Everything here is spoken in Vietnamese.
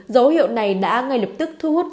dấu hiệu này đã ngay lập tức thu hút